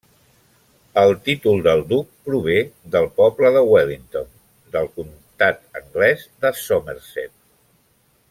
El títol del duc prové del poble de Wellington, del comtat anglès de Somerset.